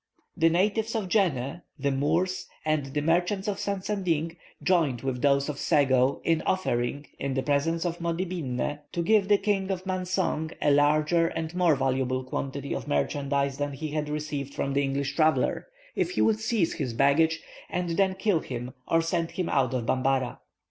The natives of Djenneh, the Moors, and merchants of Sansanding, joined with those of Sego in offering, in the presence of Modibinne, to give the King of Mansong a larger and more valuable quantity of merchandise than he had received from the English traveller, if he would seize his baggage, and then kill him, or send him out of Bambarra.